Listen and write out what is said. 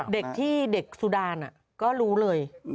เด็กที่สุดานอ่ะก็รู้เลย